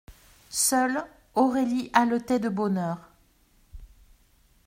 Seule, Aurélie haletait de bonheur.